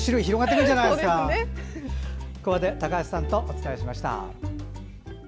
ここまで高橋さんとお伝えしました。